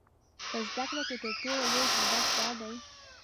په زده کړه کې تر ټولو لوی هدف دا دی.